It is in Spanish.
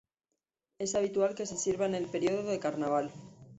Es habitual que se sirva en el periodo de carnaval.